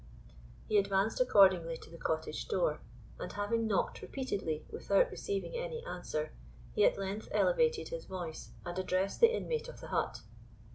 He advanced accordingly to the cottage door, and having knocked repeatedly without receiving any answer, he at length elevated his voice and addressed the inmate of the hut.